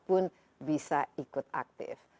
pun bisa ikut aktif